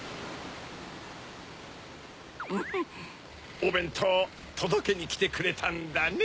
おべんとうをとどけにきてくれたんだね。